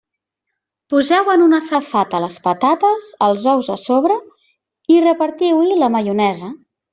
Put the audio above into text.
Poseu en una safata les patates, els ous a sobre, i repartiu-hi la maionesa.